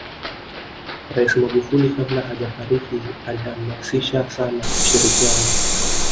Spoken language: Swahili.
rais magufuli kabla hajafariki alihamasisha sana ushirikianao